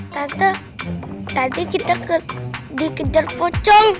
tante tadi kita dikejar pocong